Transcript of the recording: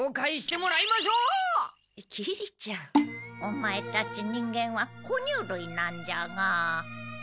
オマエたち人間はほ乳類なんじゃが。